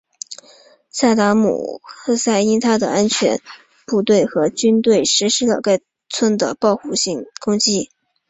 萨达姆侯赛因命令他的安全部队和军队实施了对该村的报复性攻击。